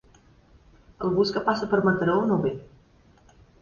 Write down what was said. El bus que passa per Mataró no ve.